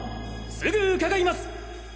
すぐ伺います！